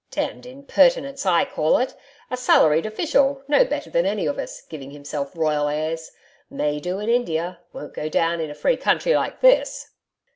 'Damned impertinence, I call it. A salaried official, no better than any of us, giving himself royal airs.... May do in India... won't go down in a free country like this.'